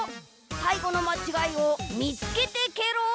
さいごのまちがいをみつけてケロ。